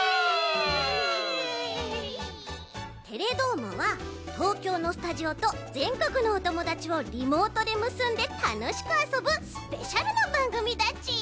「テレどーも！」は東京のスタジオとぜんこくのおともだちをリモートでむすんでたのしくあそぶスペシャルなばんぐみだち！